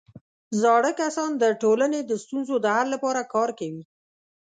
زاړه کسان د ټولنې د ستونزو د حل لپاره کار کوي